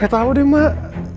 gak tahu deh mak